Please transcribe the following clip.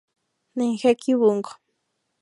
Dengeki Bunko